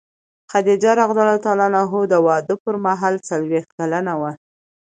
خدیجه رض د واده پر مهال څلوېښت کلنه وه.